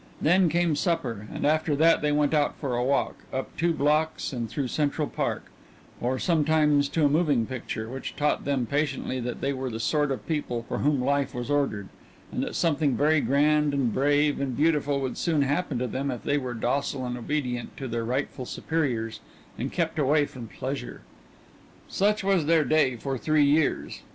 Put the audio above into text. Then came supper, and after that they went out for a walk, up two blocks and through Central Park, or sometimes to a moving picture, which taught them patiently that they were the sort of people for whom life was ordered, and that something very grand and brave and beautiful would soon happen to them if they were docile and obedient to their rightful superiors and kept away from pleasure. Such was their day for three years.